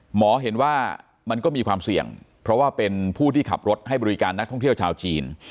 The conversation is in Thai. เห็นว่ามันก็มีความเสี่ยงเพราะว่าเป็นผู้ที่ขับรถให้บริการนักท่องเที่ยวชาวจีน